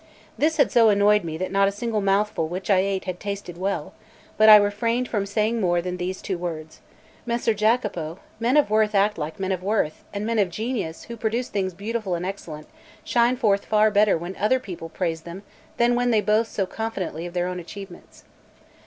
This had so annoyed me that not a single mouthful which I ate had tasted well; but I refrained from saying more than these two words: "Messer Jacopo, men of worth act like men of worth, and men of genius, who produce things beautiful and excellent, shine forth far better when other people praise them than when they boast so confidently of their own achievements."